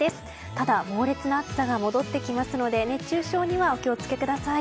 ただ、猛烈な暑さが戻ってきますので熱中症にはお気を付けください。